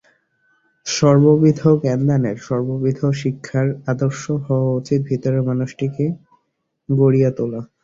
সর্ববিধ জ্ঞানদানের, সর্ববিধ শিক্ষার আদর্শ হওয়া উচিত ভিতরের মানুষটিকে গড়িয়া তোলা।